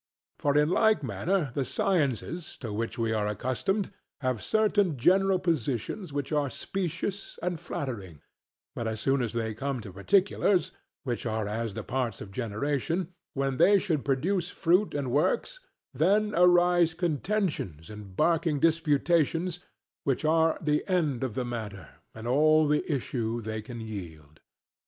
For in like manner the sciences to which we are accustomed have certain general positions which are specious and flattering; but as soon as they come to particulars, which are as the parts of generation, when they should produce fruit and works, then arise contentions and barking disputations, which are the end of the matter and all the issue they can yield.